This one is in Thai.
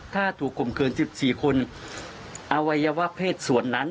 ถ้าถูกกลมเกินสิบสี่คนอวัยวะเพศส่วนนั้น